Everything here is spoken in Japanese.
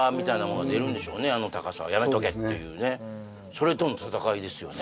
それとの戦いですよね